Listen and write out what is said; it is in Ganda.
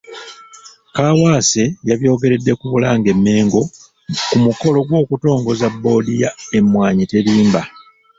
Kaawaase yabyogeredde ku Bulange e Mmengo ku mukolo gw’okutongoza boodi ya ‘Emmwaanyi Terimba".